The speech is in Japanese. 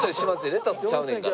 レタスちゃうねんから。